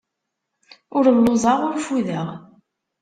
Ur lluẓeɣ, ur ffudeɣ.